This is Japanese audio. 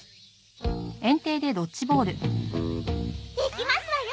いきますわよ